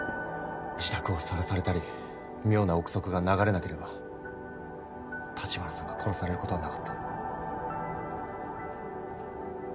自宅をさらされたり妙な臆測が流れなければ橘さんが殺されることはなかった。